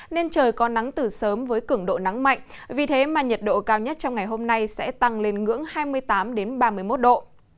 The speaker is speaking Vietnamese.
nên trời có nắng từ sớm với cứng độ nắng mạnh vì thế mà nhiệt độ cao nhất trong ngày hôm nay sẽ tăng lên ngưỡng hai mươi tám ba mươi một độ